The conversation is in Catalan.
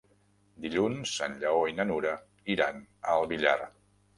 Dilluns en Lleó i na Nura iran al Villar.